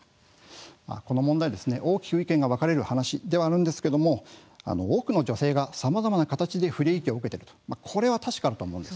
この問題は大きく意見が分かれる話ではあるんですが多くの女性がさまざまな形で不利益を受けているこれは確かだと思うんです。